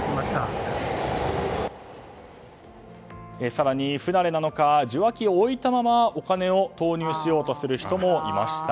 更に不慣れなのか受話器を置いたままお金を投入しようとする人もいました。